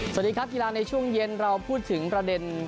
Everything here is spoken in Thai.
สวัสดีครับกีฬาในช่วงเย็นเราพูดถึงประเด็น